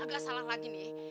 agak salah lagi nih